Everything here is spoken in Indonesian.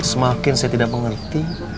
semakin saya tidak mengerti